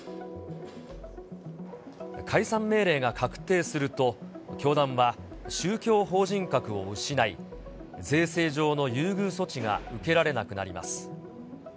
解散命令が確定すると、教団は宗教法人格を失い、税制上の優遇措置が受けられなくなります。